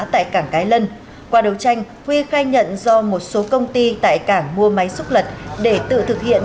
tại cảng cái lân qua đấu tranh huy khai nhận do một số công ty tại cảng mua máy xúc lật để tự thực hiện